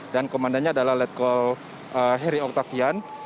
dan komandannya adalah letko heri oktavian